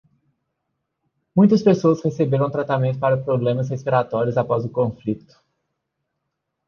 Muitas pessoas receberam tratamento para problemas respiratórios após o conflito.